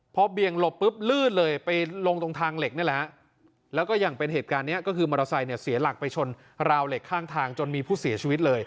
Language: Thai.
พอเบี่ยงหลบปุ๊บลื่นเลยไปลงตรงทางเหล็กนี่แหละฮะแล้วก็อย่างเป็นเหตุการณ์นี้ก็คือมอเตอร์ไซค์เนี่ยเสียหลักไปชนราวเหล็กข้างทางจนมีผู้เสียชีวิตเลย